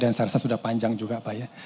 dan saya rasa sudah panjang juga pak ya